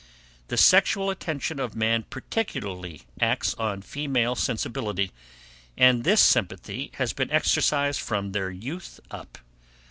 The sexual attention of man particularly acts on female sensibility, and this sympathy has been exercised from their youth up.